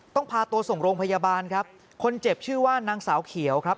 พาตัวส่งโรงพยาบาลครับคนเจ็บชื่อว่านางสาวเขียวครับ